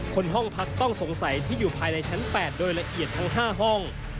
คนห้องพักต้องสงสัยที่อยู่ภายในชั้น๘โดยละเอียดทั้ง๕ห้อง